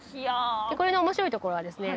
これの面白いところはですね